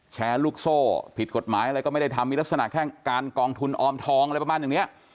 แชร์ลูกโซ่ผิดกฎหมายอะไรก็ไม่ได้ทำมีลักษณะแค่การกองทุนออมทองอะไรประมาณอย่างนี้